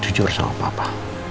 jujur sama papa